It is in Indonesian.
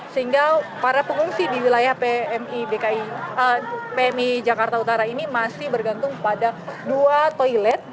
sehingga para pengungsi di wilayah pmi jakarta utara ini masih bergantung pada dua toilet